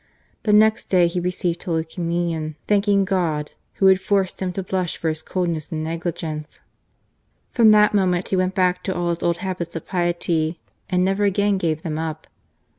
The next day he received Holy Communion, thanking God, PARIS. 57 Who had forced him to blush for his coldness and negligence. From that moment he went back to all his old habits of piety, and never again gave them up.